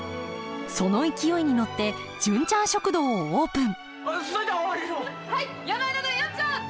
その勢いに乗って「純ちゃん食堂」をオープンそいじゃわしも！